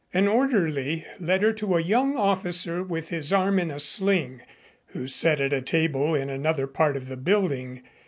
An orderly led her to a young officer with his arm in a sling who sat at a table in another part of the building.